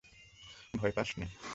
ভয় পাস নে।